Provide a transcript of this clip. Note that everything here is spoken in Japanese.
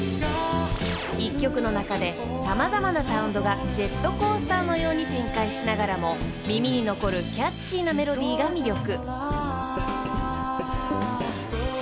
［１曲の中で様々なサウンドがジェットコースターのように展開しながらも耳に残るキャッチーなメロディーが魅力］